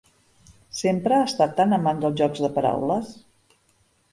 Sempre ha estat tan amant dels jocs de paraules?